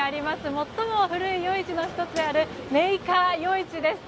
最も古い夜市の１つである寧夏夜市です。